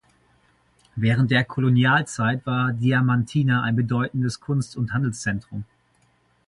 Während der Kolonialzeit war Diamantina ein bedeutendes Kunst- und Handelszentrum.